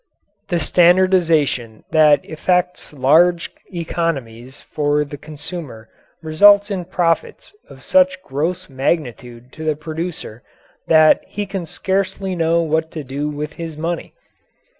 The standardization that effects large economies for the consumer results in profits of such gross magnitude to the producer that he can scarcely know what to do with his money.